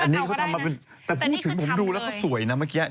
อันนี้เขาทำมาเป็นแต่พูดถึงผมดูแล้วเขาสวยนะเมื่อกี้